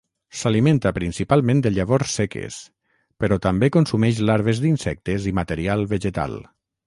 S'alimenta principalment de llavors seques, però també consumeix larves d'insectes i material vegetal.